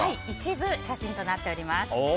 一部、写真となっております。